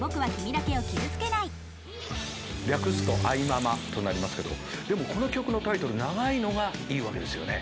略すと『愛まま』となりますけどでもこの曲のタイトル長いのがいいわけですよね。